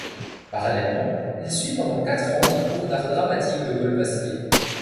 Parallèlement, il suit pendant quatre ans les cours d’art dramatique de Paul Pasquier.